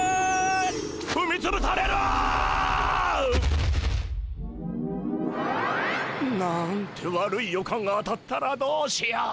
ふみつぶされる！なんて悪い予感が当たったらどうしよう。